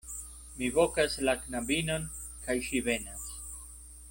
Mi vokas la knabinon, kaj ŝi venas.